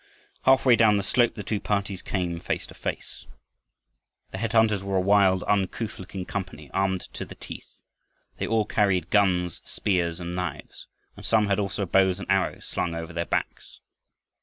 Half way down the slope the two parties came face to face. The head hunters were a wild, uncouth looking company, armed to the teeth. They all carried guns, spears, and knives and some had also bows and arrows slung over their backs.